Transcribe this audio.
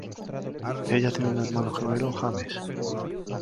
Ella tiene un hermano gemelo James.